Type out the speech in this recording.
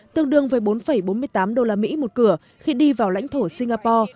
tương đương với bốn bốn mươi tám đô la mỹ một cửa khi đi vào lãnh thổ singapore